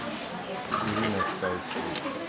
指も使うし。